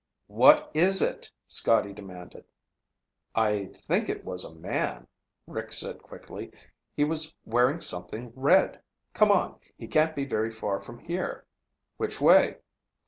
"What is it?" Scotty demanded. "I think it was a man," Rick said quickly. "He was wearing something red. Come on, he can't be very far from here." "Which way?"